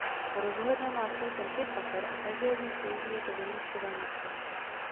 Rozhledna má celkem pět pater a každé z nich slouží jako vyhlídkové místo.